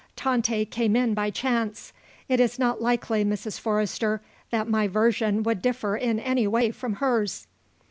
Tante came in by chance. It is not likely, Mrs. Forrester, that my version would differ in any way from hers."